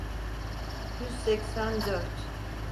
Yüz seksen dört.